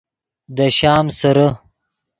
دے شام سیرے